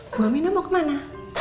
bu aminah mau kemana